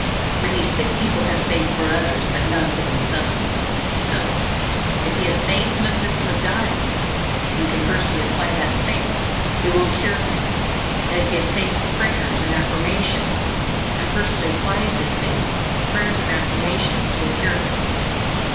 Many sick people have faith for others but none for themselves. So, if he has faith in a system of diet, and can personally apply that faith, it will cure him; and if he has faith in prayers and affirmations and personally applies his faith, prayers and affirmations will cure him.